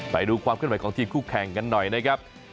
ไปดูความขึ้นใหม่ของทีมคู่แข่งกันหน่อยนะครับ